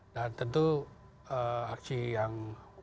dan tentu aksi yang